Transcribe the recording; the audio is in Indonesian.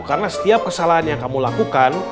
karena setiap kesalahan yang kamu lakukan